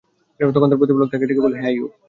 তখন তাঁর প্রতিপালক তাঁকে ডেকে বললেন, হে আইয়ুব!